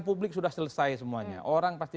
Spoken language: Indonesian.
publik sudah selesai semuanya orang pasti